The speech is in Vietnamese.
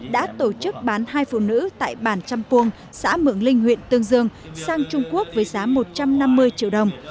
đã tổ chức bán hai phụ nữ tại bản trăm puông xã mường linh huyện tương dương sang trung quốc với giá một trăm năm mươi triệu đồng